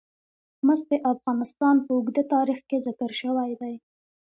مس د افغانستان په اوږده تاریخ کې ذکر شوی دی.